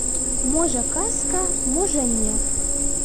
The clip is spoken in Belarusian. Можа, казка, можа, не.